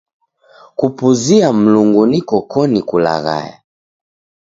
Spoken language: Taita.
Kupuzia Mlungu nikokoni kulaghaya.